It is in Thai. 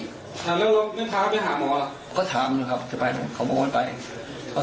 ทางเขาไปหาหมอก็ถามเลยครับเศษไปได้